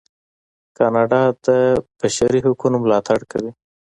کاناډا د بشري حقونو ملاتړ کوي.